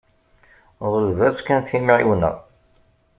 Ḍleb-as kan timεiwna.